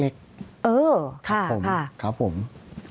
เออครับผมครับผมครับผมค่ะ